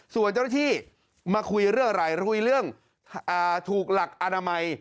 ส่วนเจ้าหน้าที่มาคุยเรื่องอะไรคุยเรื่องถูกหลักอนามัย